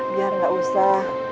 biar gak usah